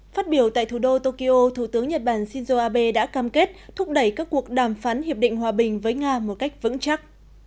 phát biểu tại thủ đô tokyo thủ tướng nhật bản shinzo abe đã cam kết thúc đẩy các cuộc đàm phán hiệp định hòa bình với nga một cách vững chắc